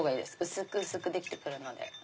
薄く薄くできて来るので。